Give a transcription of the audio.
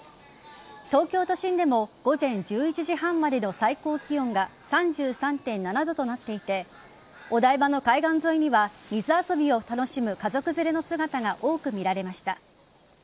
東京都心でも午前１１時半までの最高気温が３３．７度となっていてお台場の海岸沿いには水遊びを楽しむ家族連れの姿が多く見られました。